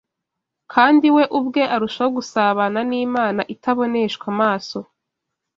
Kandi we ubwe arushaho gusabana n’Imana itaboneshwa amaso.